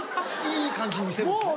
いい感じに見せるんですね。